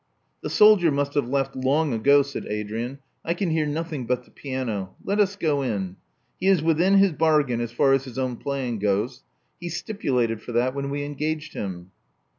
The soldier must have left long ago," said Adrian. I can hear nothing but the piano. Let us go in. He is within his bargain as far as his own playing goes. He stipulated for that when we engaged him."